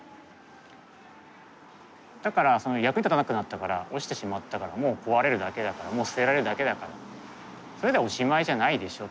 だから役に立たなくなったから落ちてしまったからもう壊れるだけだからもう捨てられるだけだからそれでおしまいじゃないでしょっていう。